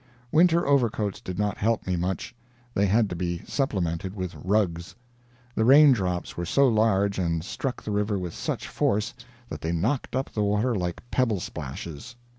Winter overcoats did not help me much; they had to be supplemented with rugs. The raindrops were so large and struck the river with such force that they knocked up the water like pebble splashes.